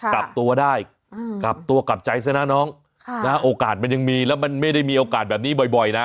กลับตัวได้กลับตัวกลับใจซะนะน้องโอกาสมันยังมีแล้วมันไม่ได้มีโอกาสแบบนี้บ่อยนะ